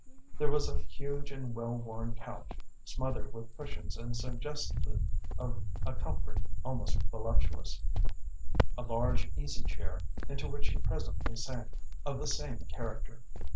There was a huge and well worn couch, smothered with cushions and suggestive of a comfort almost voluptuous; a large easy chair, into which he presently sank, of the same character.